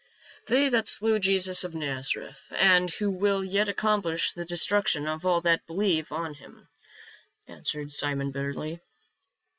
" They that slew Jesus of Nazareth, and who will yet accomplish the destruction of all that believe on him," answered Simon bitterly.